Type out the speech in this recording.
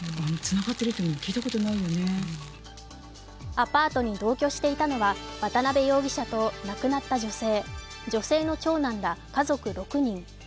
アパートに同居していたのは渡辺容疑者と亡くなった女性、女性の長男ら家族６人。